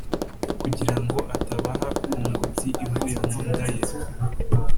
kugira ngo atabaha ku ngobyi ivuye mu nda ye